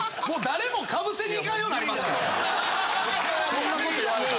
・そんなこと言われたら。